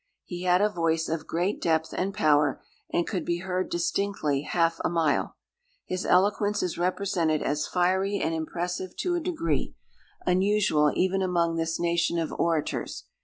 He had a voice of great depth and power, and could be heard distinctly half a mile. His eloquence is represented as fiery and impressive to a degree, unusual even among this nation of orators.